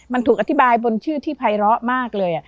มันถูกอธิบายบนชื่อที่ภัยร้อมากเลย